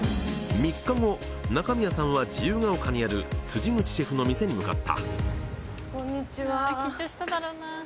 中宮さんは自由が丘にある辻口シェフの店に向かった。